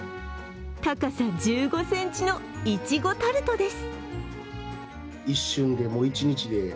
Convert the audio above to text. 高さ１５ｃｍのいちごタルトです。